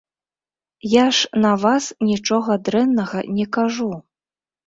Я ж на вас нічога дрэннага не кажу.